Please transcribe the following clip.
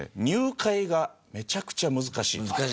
入会がめちゃくちゃ難しいと。